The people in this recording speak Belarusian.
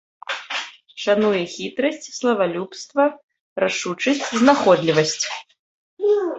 Шануе хітрасць, славалюбства, рашучасць, знаходлівасць.